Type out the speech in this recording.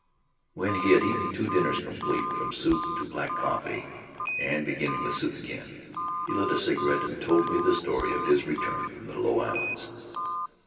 When he had eaten two dinners complete — from soup to black coffee, and beginning with soup again — he lit a cigarette and told me the story of his return from the Low Islands.